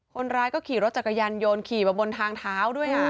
คนร้ายก็ขี่รถจักรยานยนต์ขี่มาบนทางเท้าด้วย